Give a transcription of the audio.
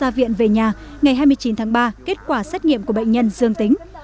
ra viện về nhà ngày hai mươi chín tháng ba kết quả xét nghiệm của bệnh nhân dương tính